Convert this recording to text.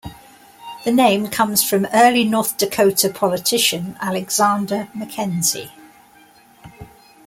The name comes from early North Dakota politician Alexander McKenzie.